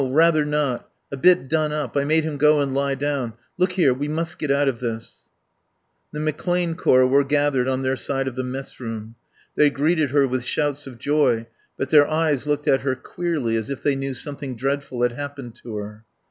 Rather not. A bit done up. I made him go and lie down.... Look here, we must get out of this." The McClane Corps were gathered on their side of the messroom. They greeted her with shouts of joy, but their eyes looked at her queerly, as if they knew something dreadful had happened to her.